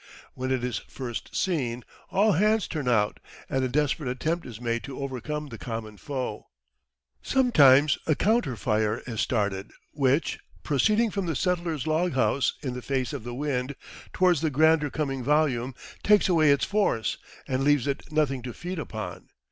When it is first seen, all hands turn out, and a desperate attempt is made to overcome the common foe. Sometimes a counter fire is started, which, proceeding from the settler's log house in the face of the wind, towards the grander coming volume, takes away its force, and leaves it nothing to feed upon.